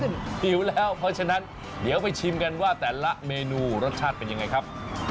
หิวแล้วเพราะฉะนั้นเดี๋ยวไปชิมกันว่าแต่ละเมนูรสชาติเป็นยังไงครับ